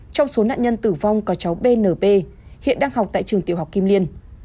trong số nạn nhân tử vong có cháu bnp hiện đang học tại trường tiểu học kim liên